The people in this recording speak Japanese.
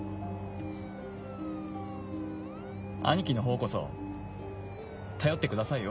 兄貴のほうこそ頼ってくださいよ。